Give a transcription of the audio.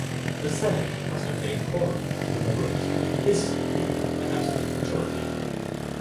The Senate must obtain quorum to deliberate, this being an absolute majority.